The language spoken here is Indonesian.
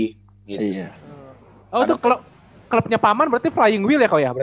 oh itu klubnya paman berarti flying will ya kalau ya